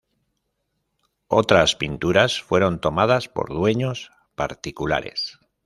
Otras pinturas fueron tomadas por dueños particulares.